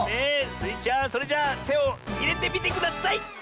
スイちゃんそれじゃあてをいれてみてください！